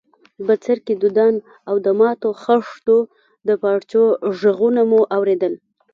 بڅرکي، دودان او د ماتو خښتو د پارچو ږغونه مو اورېدل.